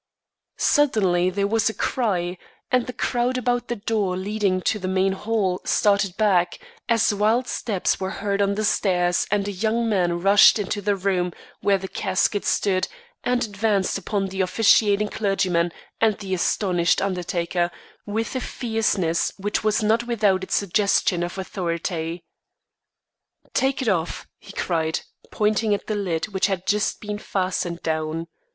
Suddenly there was a cry, and the crowd about the door leading into the main hall started back, as wild steps were heard on the stairs and a young man rushed into the room where the casket stood, and advanced upon the officiating clergyman and the astonished undertaker with a fierceness which was not without its suggestion of authority. "Take it off!" he cried, pointing at the lid which had just been fastened down.